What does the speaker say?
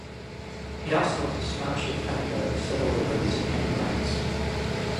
He also was a staunch defender of civil liberties and human rights.